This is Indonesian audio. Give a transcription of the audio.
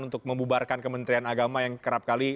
untuk membubarkan kementerian agama yang kerap kali